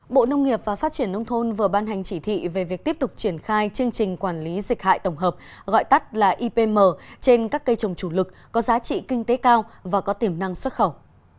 bộ nông nghiệp và phát triển nông thôn vừa ban hành chỉ thị về việc tiếp tục triển khai chương trình quản lý dịch hại tổng hợp gọi tắt là ipm trên các cây trồng chủ lực có giá trị kinh tế cao và có tiềm năng xuất khẩu